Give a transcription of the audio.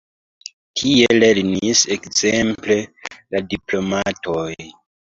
Tie lernis ekzemple la diplomatoj.